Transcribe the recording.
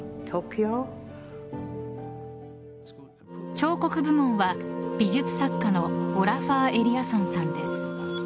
彫刻部門は美術作家のオラファー・エリアソンさんです。